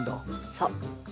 そう。